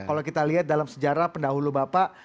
kalau kita lihat dalam sejarah pendahulu bapak